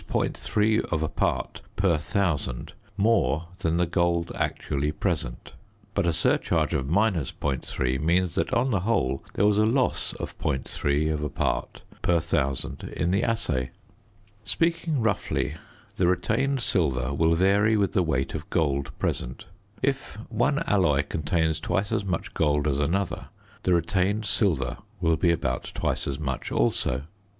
3 part per 1000 more than the gold actually present. But a surcharge .3 means that on the whole there was a loss of .3 part per 1000 in the assay. Speaking roughly the retained silver will vary with the weight of gold present; if one alloy contains twice as much gold as another the retained silver will be about twice as much also.